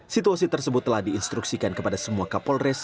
situasi tersebut telah diinstruksikan kepada semua kapolres